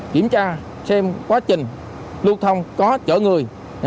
kiểm tra xem quá trình lưu thông có chở người